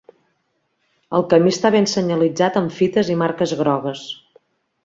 El camí està ben senyalitzat amb fites i marques grogues.